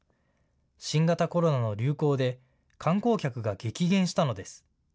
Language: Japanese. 新型コロナの流行で観光客が激減したのです。